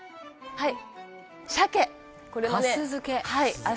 「はい。